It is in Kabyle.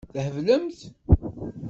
Theblemt.